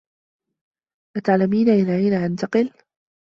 أتعلمين إلى أين انتقل؟